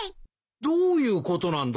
どういうことなんだ？